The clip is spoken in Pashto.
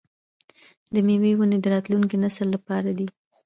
د میوو ونې د راتلونکي نسل لپاره دي.